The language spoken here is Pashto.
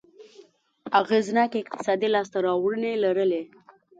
اغېزناکې اقتصادي لاسته راوړنې لرلې.